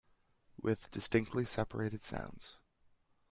With distinctly separated sounds.